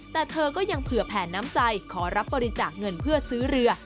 แต่เธอก็ยังเผื่อแผนน้ำใจขอรับบริจาคเงินเพื่อซื้อเรือ